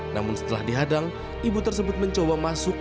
namun setelah dihadang ibu tersebut mencoba masuk